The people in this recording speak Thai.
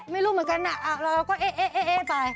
ไม่รู้เหมือนกันเราก็เอ๊ะไป